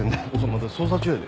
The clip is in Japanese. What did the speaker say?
まだ捜査中やで。